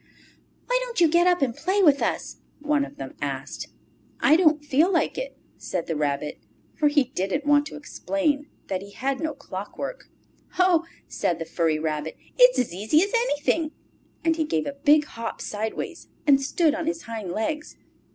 "Why don't you get up and play with us?" one of them asked. "I don't feel like it," said the Rabbit, for he didn't want to explain that he had no clockwork. "Ho!" said the furry rabbit. "It's as easy as anything," And he gave a big hop sideways and stood on his hind legs.